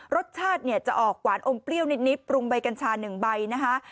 รสชาติเนี่ยจะออกหวานอมเปรี้ยวนิดปรุงใบกัญชา๑ใบนะคะ